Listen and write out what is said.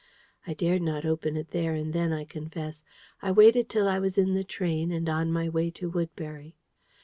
I dared not open it there and then, I confess. I waited till I was in the train, and on my way to Woodbury.